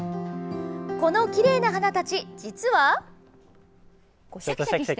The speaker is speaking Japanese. このきれいな花たち、実は。